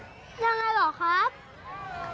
ยังไงเหรอครับ